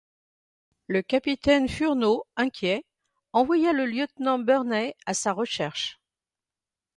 Le capitaine Furneaux, inquiet, envoya le lieutenant Burney à sa recherche.